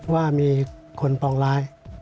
ว่ามีคนปองร้าย